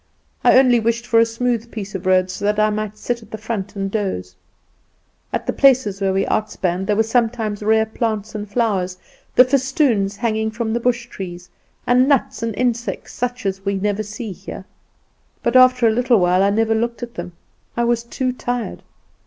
I only wished for a smooth piece of road, so that I might sit at the front and doze. At the places where we outspanned there were sometimes rare plants and flowers, the festoons hanging from the bush trees, and nuts and insects, such as we never see here; but after a little while I never looked at them I was too tired.